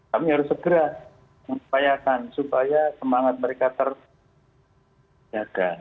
kami harus segera mengupayakan supaya semangat mereka terjaga